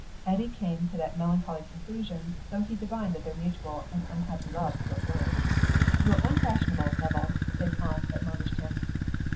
Eddy came to that melancholy conclusion, though he divined that their mutual and unhappy love still flourished. "You're unfashionable, Nevill," his aunt admonished him.